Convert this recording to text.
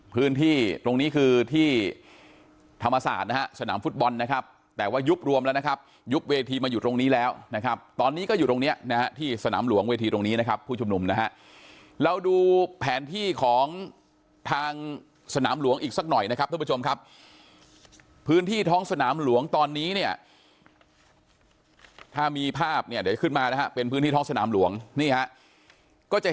พื้นที่ตรงนี้คือที่ธรรมศาสตร์นะฮะสนามฟุตบอลนะครับแต่ว่ายุบรวมแล้วนะครับยุบเวทีมาอยู่ตรงนี้แล้วนะครับตอนนี้ก็อยู่ตรงเนี้ยนะฮะที่สนามหลวงเวทีตรงนี้นะครับผู้ชุมนุมนะฮะเราดูแผนที่ของทางสนามหลวงอีกสักหน่อยนะครับทุกผู้ชมครับพื้นที่ท้องสนามหลวงตอนนี้เนี่ยถ้ามีภาพเนี่ยเดี๋ยวขึ้นมานะฮะเป็นพื้นที่ท้องสนามหลวงนี่ฮะก็จะเห็น